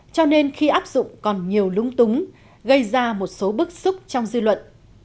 cho nên khi áp dụng còn nhiều lúng túng gây ra một số bức xúc trong dư luận